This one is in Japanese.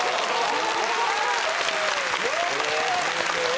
すごいよ。